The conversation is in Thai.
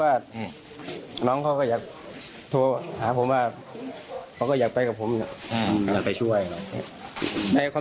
เอ็มเนี่ยเคยตีหัวพี่หรอ